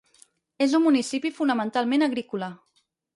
És un municipi fonamentalment agrícola.